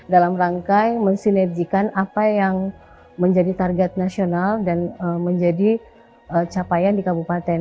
dalam rangka mensinergikan apa yang menjadi target nasional dan menjadi capaian di kabupaten